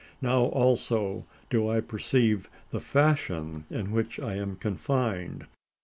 Now also do I perceive the fashion in which I am confined.